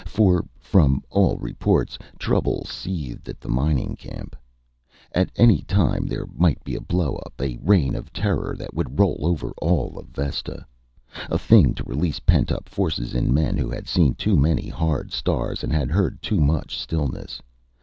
For, from all reports, trouble seethed at the mining camp. At any time there might be a blowup, a reign of terror that would roll over all of Vesta. A thing to release pent up forces in men who had seen too many hard stars, and had heard too much stillness.